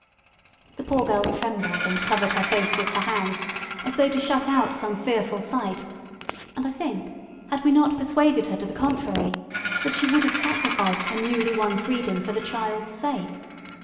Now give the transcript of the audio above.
The poor girl trembled and covered her face with her hands, as though to shut out some fearful sight, and, I think, had we not persuaded her to the contrary, that she would have sacrificed her newly won freedom for the child's sake.